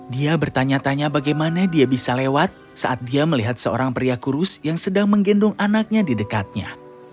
dia bertanya tanya bagaimana dia bisa lewat saat dia melihat seorang pria kurus yang sedang menggendong anaknya di dekatnya